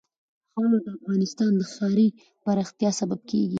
خاوره د افغانستان د ښاري پراختیا سبب کېږي.